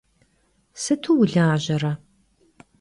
Sıtu vulajere?